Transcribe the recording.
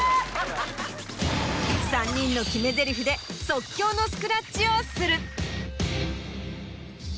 ３人の決めゼリフで即興のスクラッチをする。